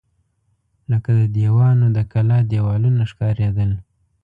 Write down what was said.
لکه د دیوانو د کلا دېوالونه ښکارېدل.